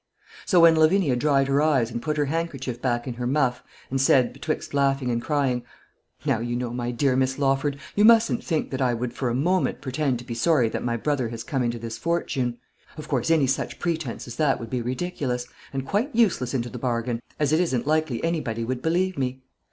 So when Lavinia dried her eyes and put her handkerchief back in her muff, and said, betwixt laughing and crying, "Now you know, my dear Miss Lawford, you mustn't think that I would for a moment pretend to be sorry that my brother has come into this fortune. Of course any such pretence as that would be ridiculous, and quite useless into the bargain, as it isn't likely anybody would believe me.